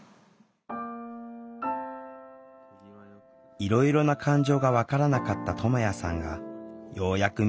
いろいろな感情が分からなかったともやさんがようやく見つけた感情。